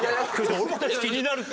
俺たち気になるって！